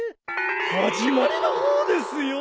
始まりの方ですよ。